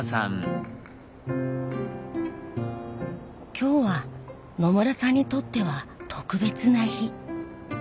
今日は野村さんにとっては特別な日。